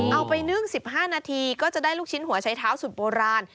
นึ่ง๑๕นาทีก็จะได้ลูกชิ้นหัวใช้เท้าสุดโบราณ